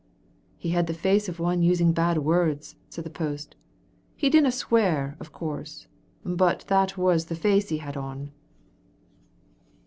"He had the face of one using bad words," said the post. "He didna swear, of course, but that was the face he had on."